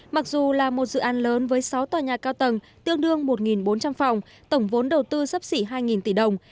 mặc dù là một dự án lớn với sáu tòa nhà cao tầng tương đương một bốn trăm linh phòng tổng vốn đầu tư sấp xỉ hai tỷ đồng